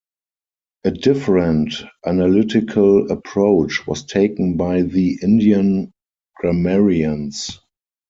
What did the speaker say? A different analytical approach was taken by the Indian grammarians.